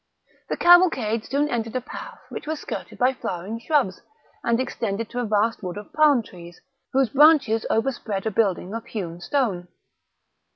The cavalcade soon entered a path which was skirted by flowering shrubs, and extended to a vast wood of palm trees, whose branches overspread a building of hewn stone.